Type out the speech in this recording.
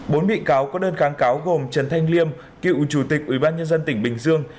bốn bị cáo có đơn kháng cáo gồm trần thanh liêm cựu chủ tịch ubnd tỉnh bình dương